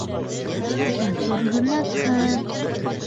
Матур ғына ҡыҙ!